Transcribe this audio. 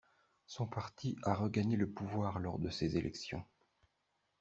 Son parti a regagné le pouvoir lors de ces élections.